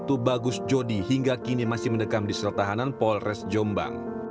tubagus jodi hingga kini masih mendekam di sel tahanan polres jombang